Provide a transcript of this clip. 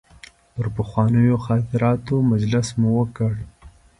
پر پخوانیو خاطراتو مجلس مو وکړ.